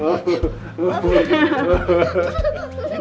sedih kamu tidur